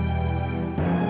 gak ada apa apa